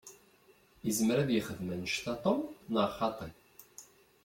Izmer ad yexdem annect-a Tom, neɣ xaṭi?